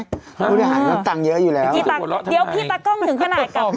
ผู้บริหารก็รับตังค์เยอะอยู่แล้วเดี๋ยวพี่ตากล้องถึงขนาดกลับ